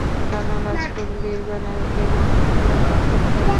কারণ, রাজপুত-বীরগণের এরূপ গল্প অসংখ্য।